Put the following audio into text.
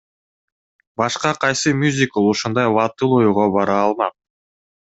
Башка кайсы мюзикл ушундай батыл ойго бара алмак?